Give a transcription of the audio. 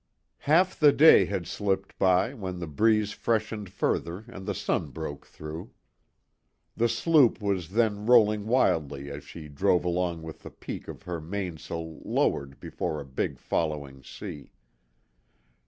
Half the day had slipped by, when the breeze freshened further and the sun broke through. The sloop was then rolling wildly as she drove along with the peak of her mainsail lowered before a big following sea.